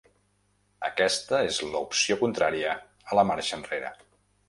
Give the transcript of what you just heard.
Aquesta és l’opció contrària a la marxa enrere.